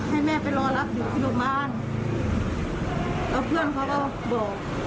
ให้แม่ไปรอรับอยู่ที่โรงพยาบาลแล้วเพื่อนเขาก็บอกว่านัดน่ะล้มเอง